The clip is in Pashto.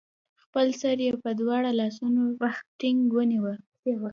خپل سر يې په دواړو لاسونو ټينګ ونيوه